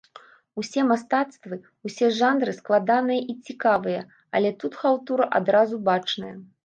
Усе мастацтвы, усе жанры складаныя і цікавыя, але тут халтура адразу бачная.